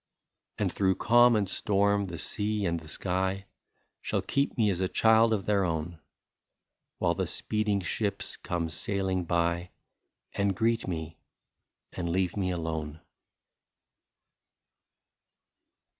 125 And through calm and storm, the sea and the sky Shall keep me as child of their own, While the speeding ships come sailing by, And greet me, and leave me alone."